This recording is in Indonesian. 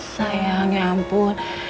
sayang ya ampun